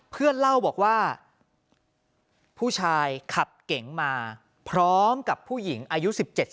เพื่อนเล่าบอกว่าผู้ชายขับเก๋งมาพร้อมกับผู้หญิงอายุ๑๗